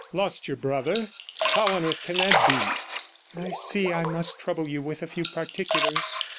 'Lost your brother! How on earth can that be?' 'I see I must trouble you with a few particulars.